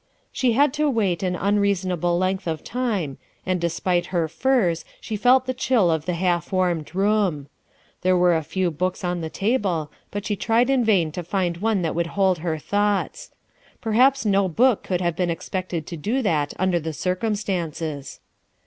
She had to wait au unreasonable length of time, and despite her furs she felt the chili of the half warmed room. There were a few books on the table, but she tried in vain to find one that would hold her thoughts. Perhaps no book could have been expected to do that under the circumstances.